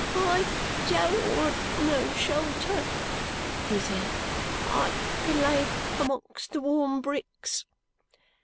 "I don't want no shelter," he said; "I can lay amongst the warm bricks."